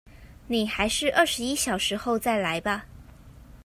你還是二十一小時後再來吧